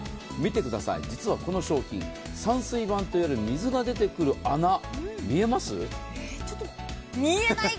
実はこの商品、散水板と言われる水が出てくる穴、見えますか。